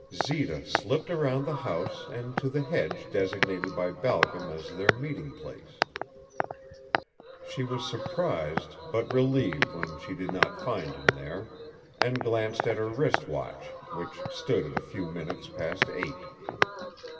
Zita slipped around the house and to the hedge designated by Balcom as their meeting place. She was surprised but relieved when she did not find him there, and glanced at her wrist watch, which stood at a few minutes past eight.